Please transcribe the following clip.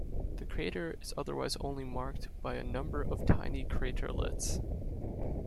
The crater is otherwise only marked by a number of tiny craterlets.